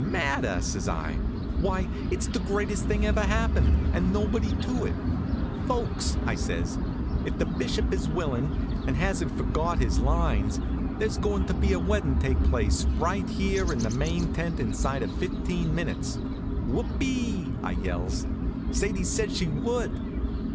"Matter?" says I. "Why, it's the greatest thing ever happened, and nobody to it. Folks," I says, "if the bishop is willin', and hasn't forgot his lines, there's goin' to be a weddin' take place right here in the main tent inside of fifteen minutes. Whoop e e!" I yells. "Sadie's said she would!"